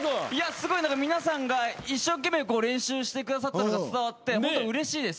すごい皆さんが一生懸命練習してくださったのが伝わってホントうれしいです。